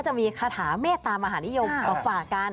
ก็จะมีคาถาเมตตามหานิยมก็ฝากัน